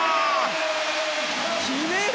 決める？